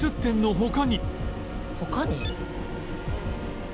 「他に？」